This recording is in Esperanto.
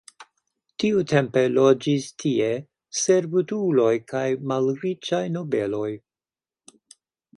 Tiutempe loĝis tie servutuloj kaj malriĉaj nobeloj.